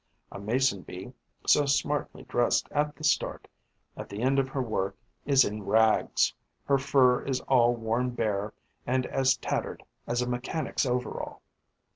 A Mason bee, so smartly dressed at the start, at the end of her work is in rags; her fur is all worn bare and as tattered as a mechanic's overall.